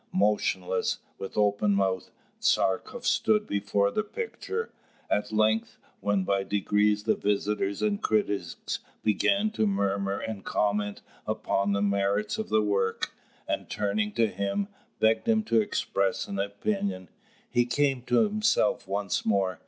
Motionless, with open mouth, Tchartkoff stood before the picture. At length, when by degrees the visitors and critics began to murmur and comment upon the merits of the work, and turning to him, begged him to express an opinion, he came to himself once more.